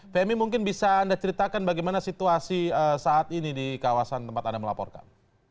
femi mungkin bisa anda ceritakan bagaimana situasi saat ini di kawasan tempat anda melaporkan